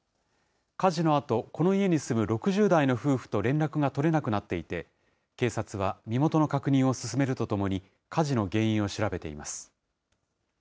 火事のあと、この家に住む６０代の夫婦と連絡が取れなくなっていて、警察は身元の確認を進めるとともに、火事の原因を調べています。